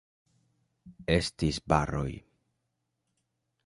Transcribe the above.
Estis baroj.